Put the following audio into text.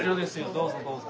どうぞどうぞ。